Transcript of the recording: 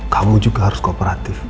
kamu juga harus beroperasi